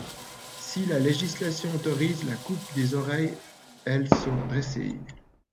Si la législation autorise la coupe des oreilles, elles sont dressées.